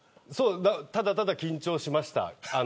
ただただ緊張しました。